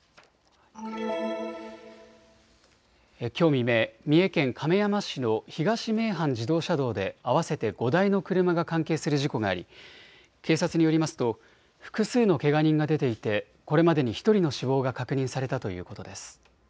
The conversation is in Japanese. きょう未明、三重県亀山市の東名阪自動車道で合わせて５台の車が関係する事故があり警察によりますと複数のけが人が出ていてこれまでに１人の死亡が確認されたということです。